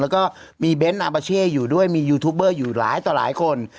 แล้วก็มีเบนท์อาบาเช่อยู่ด้วยมียูทูบเบอร์อยู่หลายต่อหลายคน